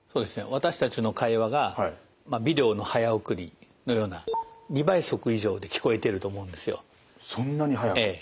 私たちの会話がビデオの早送りのような２倍速以上で聞こえてると思うんですよ。